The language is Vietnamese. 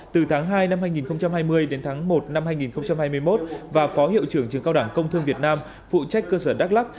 từ tháng hai năm hai nghìn hai mươi đến tháng một năm hai nghìn hai mươi một và phó hiệu trưởng trường cao đảng công thương việt nam phụ trách cơ sở đắk lắc